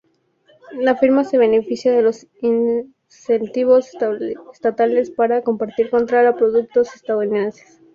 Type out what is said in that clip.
La firma se beneficia de los incentivos estatales para competir contra los productos estadounidenses.